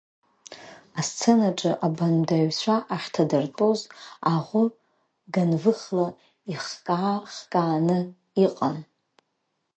Асценаҿы абаандаҩцәа ахьҭадыртәоз аӷәы ганвыхла ихкаа-хкааны иҟан.